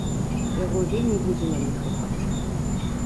Яго вельмі будзе нам не хапаць.